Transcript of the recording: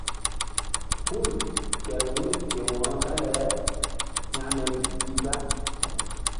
Hul kehr wu̧y ke wo̧ro dale hekme gi da.